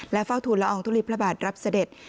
เฝ้าทุนละอองทุลีพระบาทรับเสด็จ